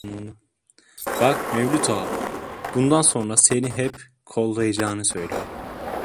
Bak Mevlüt Ağa bundan sonra seni hep kollayacağını süylüyor.